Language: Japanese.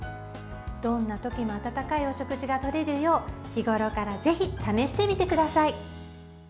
どんな時も温かいお食事が取れるよう日ごろからぜひ試してみてください。